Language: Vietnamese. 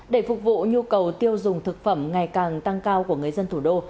để phục vụ nhu cầu tiêu dùng thực phẩm ngày càng tăng cao của người dân thủ đô